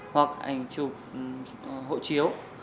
hoặc ảnh chụp hộ chiếu